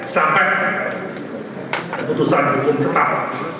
sampai keputusan hukum cukup